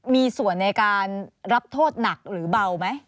มีส่วนในการรับโทษหนักหรือเบาไหม